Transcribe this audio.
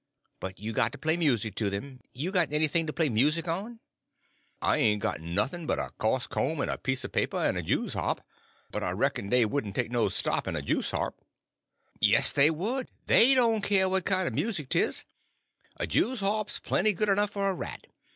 But you got to play music to them. You got anything to play music on?" "I ain' got nuffn but a coase comb en a piece o' paper, en a juice harp; but I reck'n dey wouldn' take no stock in a juice harp." "Yes they would. They don't care what kind of music 'tis. A jews harp's plenty good enough for a rat.